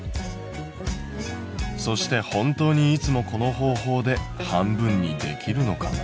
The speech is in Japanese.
そして本当にいつもこの方法で半分にできるのかな？